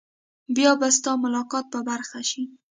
بیا به ستا ملاقات په برخه شي.